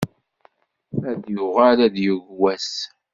Ad yuɣal ad yeww wass.